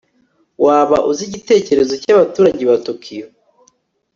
waba uzi igitekerezo cyabaturage ba tokiyo